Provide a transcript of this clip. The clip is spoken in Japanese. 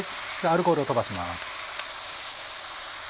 アルコールを飛ばします。